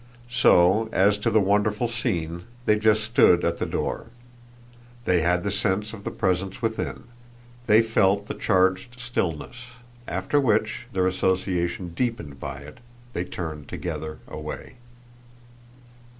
So, as to the wonderful scene, they just stood at the door. They had the sense of the presence within they felt the charged stillness; after which, their association deepened by it, they turned together away.